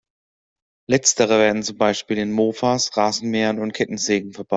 Letztere werden zum Beispiel in Mofas, Rasenmähern und Kettensägen verbaut.